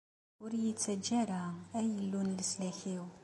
Ur iyi-ttaǧǧa ara, ay Illu n leslak-iw!